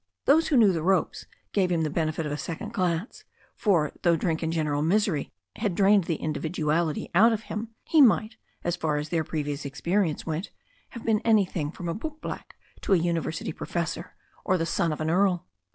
Those who knew the ropes gave him the benefit of a second glance, for, though drink and general misery had drained the individuality out of him, he might, as far as their previous experience went, have been any thing from a bootblack to a university professor or the son of an earl.